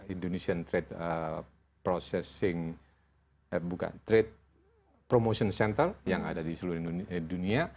indonesian trade processing eh bukan trade promotion center yang ada di seluruh dunia